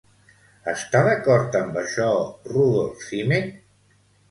Està d'acord amb això Rudolf Simek?